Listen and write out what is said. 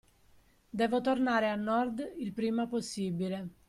Devo tornare a Nord il prima possibile.